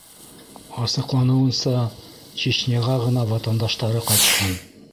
Асыҡланыуынса, Чечняға ғына ватандаштары ҡайтҡан.